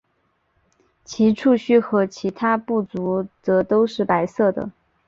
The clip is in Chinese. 其触须和其他步足则都是白色的。